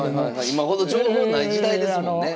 今ほど情報ない時代ですもんね。